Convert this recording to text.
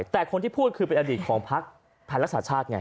แต่คนที่พูดคือเป็นอดีตของพักไทยรักษาชาติไง